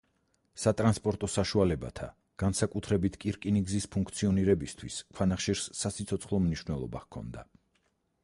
სატრანსპორტო საშუალებათა, განსაკუთრებით კი რკინიგზის ფუნქციონირებისათვის ქვანახშირს სასიცოცხლო მნიშვნელობა ჰქონდა.